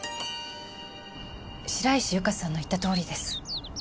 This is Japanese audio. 白石ゆかさんの言ったとおりです。